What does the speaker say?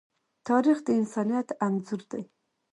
تاریخ د انسانیت انځور دی.